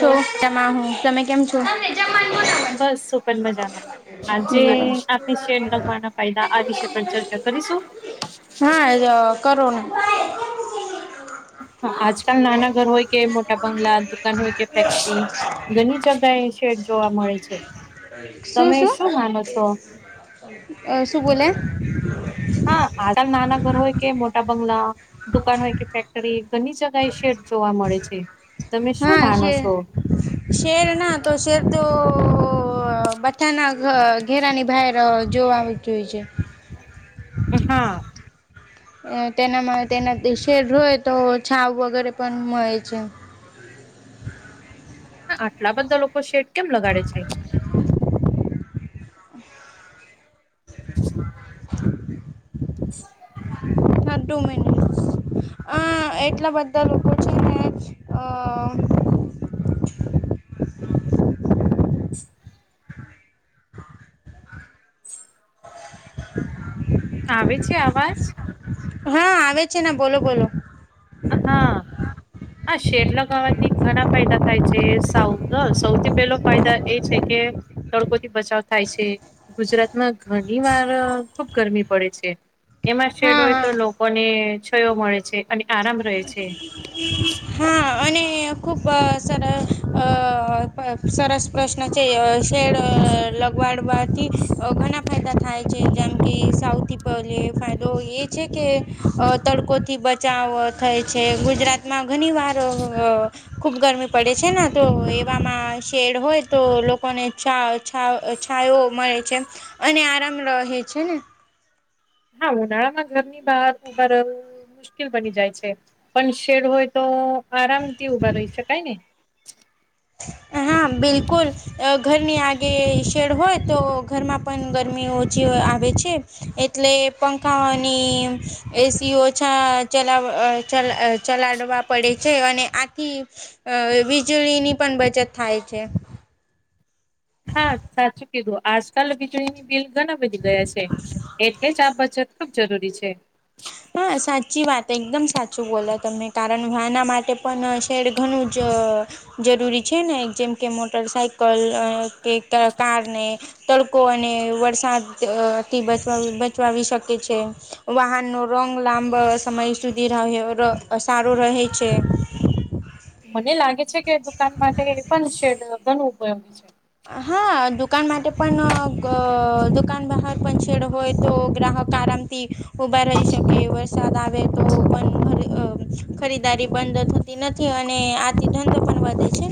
તો તમા હું તમે કેમ છો બસ હુપન મજાના આજે આપણે શેડ લગવાના ફાયદા આ વિષ પર ચર્ચા કરીશું હા એ કરો હા આજકાલ નાના ઘર હોય કે મોટા બંગલા દુકાન હોય ફેક્ટરી ઘણી જગએ શેર જોવા મળે છે શું તમે શું માનો છો? શું બોલે હા આ નાના ઘર હોય કે મોટા બંગલા દુકાન હોય કે ફેક્ટરી ઘણી જગા એ શેર જોવા મળે છે તમે શું હા માનો છે [inaudible] શેડ ના તો શેડ તો બથાના ઘેરાની બહાર જોઈ છે હા તેનામાં તેના શેડ ર હોય તો છાવ વગેરે પણ મળે છે આટલા બધા લોકો શેડ કેમ લગાડે છે [unintelligible] [inaudible] હા ટુ મિનિટ્સ આ એટલા બધા લોકો છે ને [inaudible] [unintelligible] આવે છે આવાજ હા આવે છે બોલો બોલો હા હા શેડ લગાવવાથી ઘણા ફાયદા થાય છે સા સૌથી પહેલો ફાયદા એ છે કે તડકોથી બચાવ થાય છે ગુજરાતમાં ઘણી વાર ખુબ ગરમી પડે છે એમાં હા શેડ હોય તો હા લોકોને છયો મળે છે અને આરામ રહે છે હા [unintelligible] અને ખુબ સર સરસ પ્રશ્ન છે શેડ વાળવાથી ઘણા ફાયદા થાય છે જેમ કે સાવથી પહેલે ફાયદો એ છે કે તડકોથી બચાવ થાય છે ગુજરાતમાં ઘણી વાર [unintelligible] [inaudible] ખુબ ગરમી પડે છે ને તો એવામાં શેડ હોય તો લોકોને ચા છ છાયો મળે છે અને આરામ રહે છે ને હા ઉનાળામાં ઘર ની બહાર ઊભા રહવું મુશ્કેલ બની જાય છે પણ શેડ હોય તો આરામથી ઉભા રહી શકાય ને [inaudible] હા બિલકુલ ઘરની આગે શેડ હોય તો ઘરમાં પણ ગરમી ઓછી આવે છે એટલે પંખાની એસીઓ ચલા ચ ચલાડવા પડે છે અને આથી વીજળીની પણ બચત થાય છે હા સાચું કીધું આજકાલ વીજળીની બિલ ઘણા બધી ગયા છે એટલે જ આ બચત ખૂબ જરૂરી છે હા સાચી વાત એકદમ સાચું બોલા તમે કારણ આના માટે પણ શેડ ઘણું જ જરૂરી છે ને જેમ કે મોટર સાઇકલ કે કાર ને તડકો અને વરસાદથી બચ બચવાવીી શકે છે વાહનનો રોંગ લાંબા સમય સુધી રહે સારો રહે છે મને લાગે છે કે દુકાન માટે પણ શેડ ઘણું ઉપયોગી છે હા દુકાન માટે પણ દુકાન બહાર પણ છેડ હોય તો ગ્રાહક આરામ ઉભા રહી શકે વરસાદ આવે તો પણ ખરીદારી બંધ તે નથી અને આથી ધંધો પણ વધે છે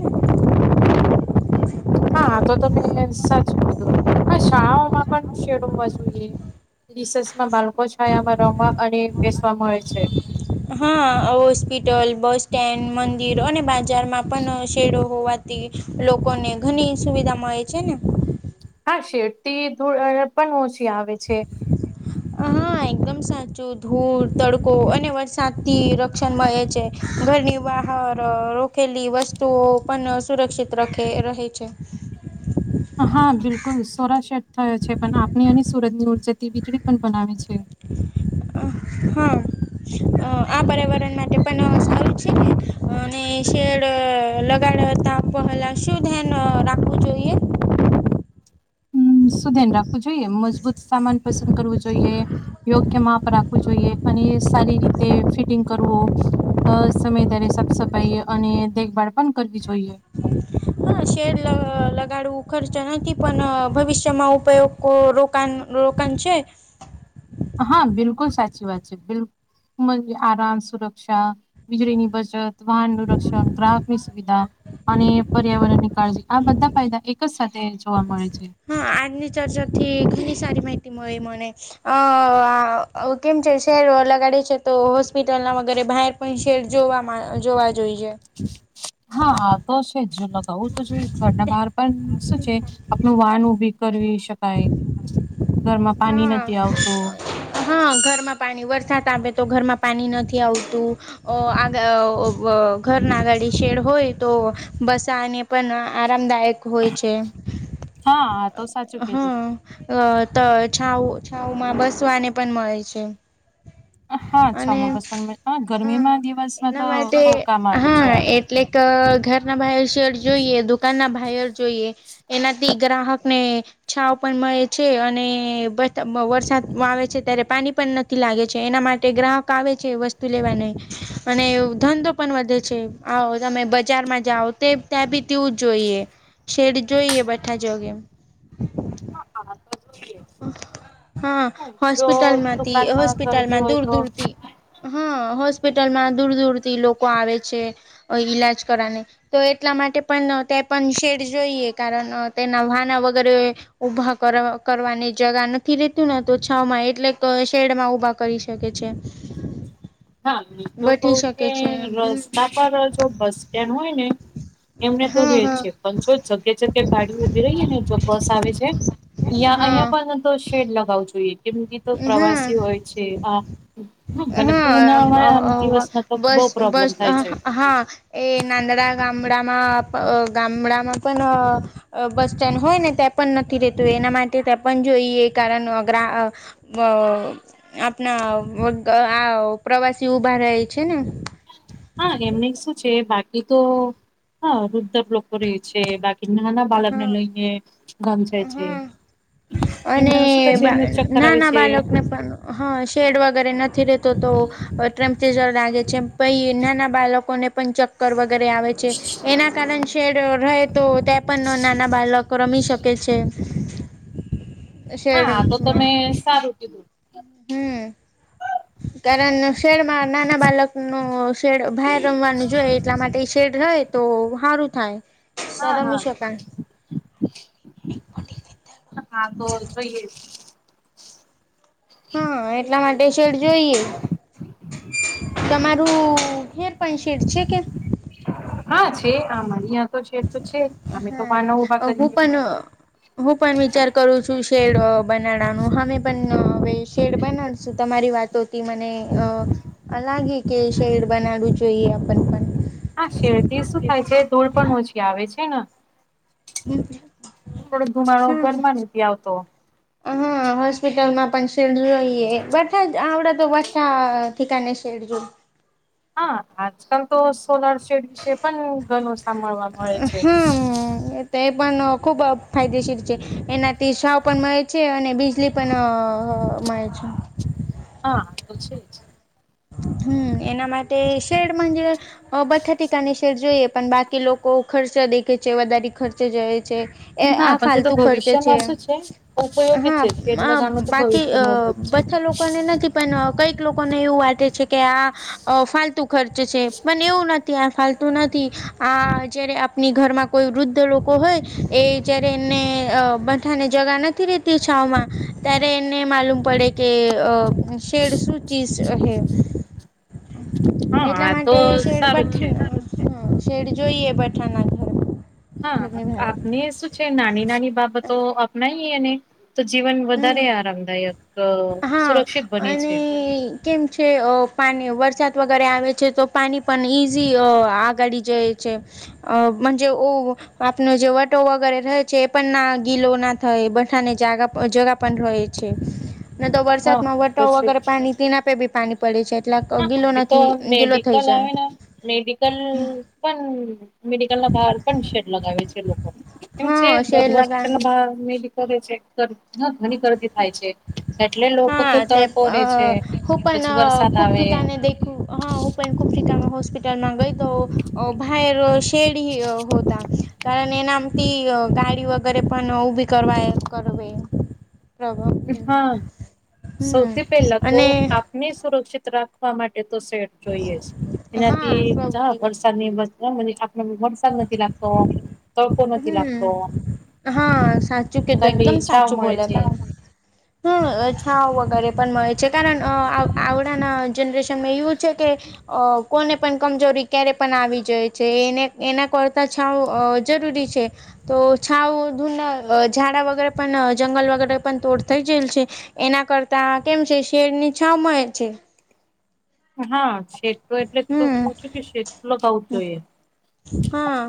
હાા તો તમે સાચું કીધું હા શાળાઓમાં પણ છેડવવા જોઈએ રિસસમાં બાળકો છાયામાં રમવા અને બેસવા મળે છે હા હોસ્પિટલ બસ સ્ટેન્ડ મંદિર અને બજારમાં પણ શેરો હોવાથી લોકોને ઘણી સુવિધા મળે છે ને હા શેરતી ધૂળ પણ ઓછી આવે છે હા એકદમ સાચું ધૂળ તડકો અને વરસાદ થી રક્ષણમાંહે છે ઘરની બહાર રોખલી વસ્તુઓ પણ સુરક્ષિતખે રહે છે હા બિલકુલ સોરા શેટ થયો છે પણ આપણી અને સુરત ની ઉર્જતી વીજળી પણ બનાવે છે હા આ પર્યાવરણ માટે પણ સારું છે ને અને શેડ ગાળતા પહેલા શું ધ્યાન રાખવું જોઈએ હમ શું ધ્યાન રાખવું જોઈએ મજબૂત સામાન પસંદ કરવું જોઈએ યોગ્ય માપ રાખવું જોઈએ અને સારી રીતે ફિટિંગ કરવું અ સમય ત્યારે સાફ સફાઈ અને દેખભાળ પણ કરવી જોઈએ હા શેડ લ લગાડવું ખર્ચ નથી પણ ભવિષ્યમાં ઉપયોગ રોકાણ રોકાણ છે હા બિલકુલ સાચી વાત છે બિલકુલ મ આરામ સુરક્ષા વીજળી ની બચત વાહનનુંું રક્ષણ ગ્રાહકની સુવિધા અને પર્યાવરણ ની કાળજી આ બધા ફાયદા એક જ સાથે જોવા મળે છે હા આજની ચર્ચા થી ઘણી સારી માહિતી મળી મને અ કેમ છે શેર લગાડે છે તો હોસ્પિટલ ના વગેરે બહાર પણ શેર જોવા જોવા જોઈ છે હા તો છે જો લગાવું તો જોઈ ઘરના બહાર પણ શું છે આપણું વાન ઉભી કરવી શકાય ઘરમાં પાણી હા નથી આવતું હા ઘરમાં પાણી વરસાદ આવેે તો ઘરમાં પાણી નથી આવતું અ આ ઘર ના ગાડી શેડ હોય તો બસાને પણ આરામદાયક હોય છે હા હા તો સાચું કધું હતું અ તો છઉ છઉ માં બસવાને પણ મળે છે હ હા છ માં અને પસ હા ગરમીમાં દિવસમાં તો બઉ કામ આવે છે આજ અ ઘરના બહર શેર જોઈએ દુકાન ના બર જોઈએ એનાથી ગ્રાહક ને છાવ પણ મળે છે અને વરસાદમાં આવે છે ત્યારે પાણી પણ નથી લાગે છે એના માટે ગ્રાહક આવે છે લેવા ન અને ધંધો પણ વધે છે આવો તમે બજારમાં જાઓ તે ત્યાં બી તેવું જોઈએ શેડ જોઈએ બધા જગે હા આ તો જોઈએ હા જો હોસ્પિટલમાંથી દુકાનમાં ગરદી હોસ્પિટલમાં હોય દૂર તો દૂરથી હા હોસ્પિટલમાં દૂર દૂર થી લોકો આવે છે ઈલાજ કરવાની તો એટલા માટે પણ ત્યાં પણ શેડ જોઈએ કારણ તેના વાના વગેરે ઉઊભા કર કરવાની જગા નથી રેતું ને તો છાવ માં એટલે તો શેડ માં ઉભા કરી શકે છે હા હ તો ક બેઠી શકે કે છે રસ્તા પર જો બસ સ્ટેન્ડ હોય ને એમને તો હા લે હા છે પણ જો જગ્યા જગ્યા ભાડી ઉભી રહીએ ને જો બસ આવે છે યા અહીિયાં હા પણ તો શેડ લગાવું જોઈએ કેમ કે તો હા પ્રવાસી હોય છે આ ઘ હા બસ બસ પ્રોબ્લેમ થાય છે હા એ નાંદડા ગામડામાં ગામડામાં પણ બસ સ્ટેન્ડ હોય ને ત્યાં પણ નથી રેતું એના માટે ત્યાં પણ જોઈએ કારણ ગ અ આપણા આ પ્રવાસી ઉઊભા રહે છે ને હા એમને શું છે બાકી તો હા રૃદ લોકો રે છે બાકી એ ના બાલરને હા લઈને ગામચાય છે હા અને એમને શું થાય છે એમને ચક્કર ના આવે ના છે બાળકને પણ હા શેડ વગેરે નથી રહેતો તો ટેમ્પરેચર લાગે છે પછ નાના બાળકોને પણ ચક્કર વગેરે આવે છે એના કારણે શેડ રહે તો તે પણ નાના બાળક રમી શકે છે શેડ હા તો તમે સારુંટીી દોધ હમ કારણ શેડમાં નાના બાળકનુંું શેડ બાર રમવાનું જોય એટલા માટે શેડ રહે તો સારું થાય ત્યાં હા હા રમી શકાય હા તો જોઈએ હા એટલા માટે શેડ જોઈએ તમારું હેર પણ શેર છે કે હા છે આમાં અિયાં તો છે તો છે અમે તો વાના ઉભા હા હું કરીએ પણનું હું પણ વિચાર કરું છું શેડ બનાડવાનું હવે પણ હવે શેડ બનાડશું તમારી વાતોથી મને અ લાગે કે શેર બનાવું જોઈએ આપ હા શેરતી શું થાય છે ધૂળ પણ ઓછી આવે છે ને થોડો ધુમાડો હા ઘરમાં નથી આવતો હા હોસ્પિટલમાં પણ શેરઈએ બધા જ આવડ તો બા ઠિકાને શેડજો હા આજકાલ તો સોલાર સેડ વિશે પણ ઘણું સાંભળવા મળે છે હમ એ તો એ પણ ખૂબ ફાયદેશીર છે એનાથી છવ પણ મળે છે અને બીજ એલી પણ મળ છે હા ખ છેી જ હમ એના માટે શેડ બથા ટકાની શેડ જોઈએ પણ બાકી લોકો બહ ખર્ચ દેખે છે વધારે ખર્ચે જાય છે એ જ ના આ પણ તે તો ફાલતુ ખર્ચે છે ભવિષ્યમાં શું ઉપયોગી હા છે શેડ આ લગાવવાનો તો બાકી ભવિષ્યમાં ઉપયોગ છે બછા લોકોને નથી પણ કઈક લોકોને એવું વાટે છે કે આ ફત ખર્ચ છે પણ એવું નથી આ ફતું નથી આ જ આપ ઘરમાં કોઈ વૃદ્ધ લોકો હોય એ જ્યારે એને બથાને જગા નથી રેતી છાવ માં ત્યારે એને માલુમ પડે કે શેડ શું ચીઝ હે હા એટલા આ તો માટે સારું જ છે શેડઠા શેડ જોઈએ બઠાના ઘ હા આપને શું છે નાની નાની બાબતો અપનાવીને તો જીવન વધારે હમ આરામદાયક હા સુરક્ષિત બને અને છે કેમ છે પાણી વરસાદ વગેરે આવે છે તો પાણી પણ ઇઝી આગાળ જાય છે અજે ઓ આપનો જે વટો વગેરે રહે છે એ પણ ના ગીલો ના થાય બઠાને જાગા જગા પણ રહે છે ન તો હા વરસાદ માં તો વટા છે વગેરે જ. પાણીના આપે બી પાણી પડે છે એટલા હા ગીલો હવે તો નથી ગીલો થઈ મેડિકલ જાય આવે ને મેડિકલ પણ મેડિકલ ના બહાર પણ શેડ લગાવે છે લોકો એમ છે હા બ શેડ લગા છે ઘણી ગરદી થાય છે એટલે લોકો તો હા તે તડકો અ રે છે હું પછી વરસાદ આવે. [inaudible] ઓ પણ કુફરીતા હોસ્પિટલમાં ગઈ તો ભઈ શેડ હોતા કારણ એનામથી ગાડી વગેરે પણ ઊભી કરવા કરવે પ્ર હા સૌથી પહેલા તો અને આપ ને સુરક્ષિત રાખવા માટે તો સેટ જોઈએ જ હા એનાથી ચા સૌથી વરસાદની હા હમ ભર્યું હા સાચું કીધું એકદમ સાચું મળે બોલિયા છે. હતા હમ છાઓ વગેરે પણ મળે છે કારણ આવડાના જનરેશનમાં એવું છે કે અ કોને પણ કમજોરી ક્યારે પણ આવી જાય છે એને એના કરતા છાવ જરૂરી છે તો છઉ ધૂના ઝાડા વગેરે પણ જંગલ વગેરે પણ તોડ થઈ જયેલ છે એના કરતા કેમ છે શેડ ની છાવ મળે છે હા શેડતો એટલે તો હમ પૂછું કે શેડલો થાવું જોઈએ હા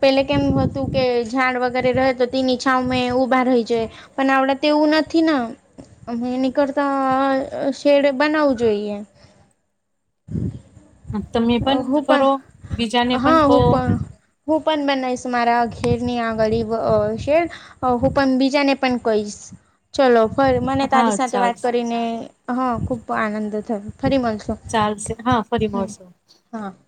પેલે કેમ હતું કે ઝાડ વગેરે રહે તો તેનીનીચછાંં ઊભા રહી છે પણ હમણાં તો એવું નથી ન અ હું નીકળતા શેડે બનાવવું જોઈએ તમે ઓ પણ હૂપણ કરો બીજાને પણ હા કહો હૂપણ હું પણ બનઈસ મારા ઘેરની આ ગળ શેર અ હું પણ બીજાને પણ કહીશ ચલો ફરી મને હા તારી સાથે વાત ચાલશે. કરીને હ ખુબ આનંદ થયો ફરી મળશો ચાલશે હા ફરી હમ મળશું [unintelligible]